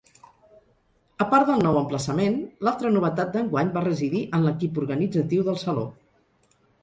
A part del nou emplaçament, l'altra novetat d'enguany va residir en l'equip organitzatiu del Saló.